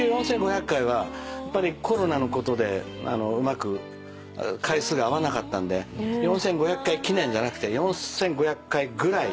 結局４，５００回はコロナのことでうまく回数が合わなかったんで４，５００回記念じゃなくて４，５００回ぐらい。